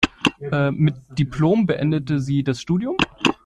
Mit Diplom beendete sie das Studium.